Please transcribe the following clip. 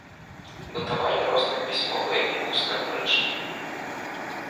Бытавалі розныя пісьмовыя і вусныя прытчы.